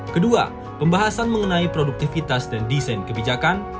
kedua pembahasan mengenai produktivitas dan desain kebijakan